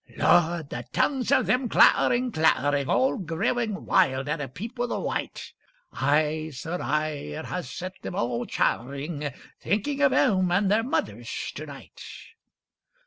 'Lord! the tongues of them clattering, clattering, All growing wild at a peep of the Wight; Aye, sir, aye, it has set them all chattering, Thinking of home and their mothers to night.